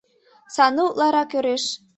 — Сану утларак ӧреш.